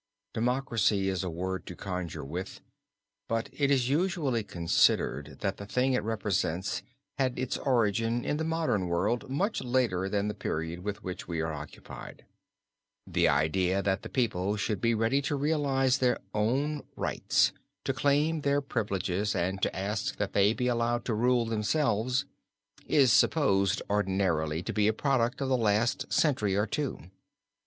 Democracy is a word to conjure with but it is usually considered that the thing it represents had its origin in the modern world much later than the period with which we are occupied. The idea that the people should be ready to realize their own rights, to claim their privileges and to ask that they should be allowed to rule themselves, is supposed ordinarily to be a product of the last century or two.